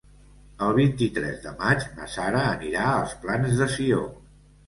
El vint-i-tres de maig na Sara anirà als Plans de Sió.